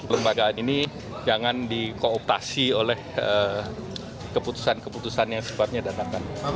lembagaan ini jangan dikooptasi oleh keputusan keputusan yang sebabnya datang